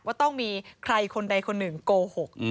ว่าต้องมีใครคนใดคนหนึ่งโกหก